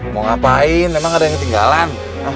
mau ngapain emang ada yang ketinggalan